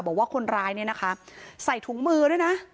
บอกว่าคนร้ายเนี่ยนะคะใส่ถุงมือด้วยนะ